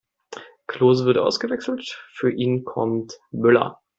Klose wird ausgewechselt, für ihn kommt Müller.